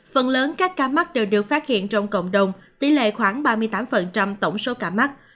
phần lớn các ca mắc đều được phát hiện trong cộng đồng tỷ lệ khoảng ba mươi tám tổng số ca mắc